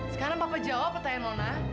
sekarang papa jawab pertanyaan mona